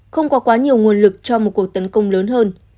không có quá nhiều nguồn lực cho một cuộc tấn công lớn hơn